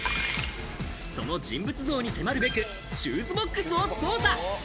その人物像に迫るべく、シューズボックスを捜査。